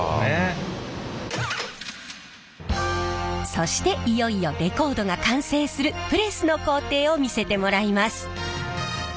そしていよいよレコードが完成するプレスの工程を見せてもらいます。